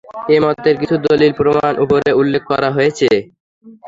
এ মতের কিছু দলীল-প্রমাণ উপরে উল্লেখ করা হয়েছে।